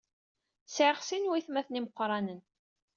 Sɛiɣ sin n waytmaten imeqranen.